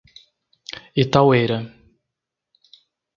Itaueira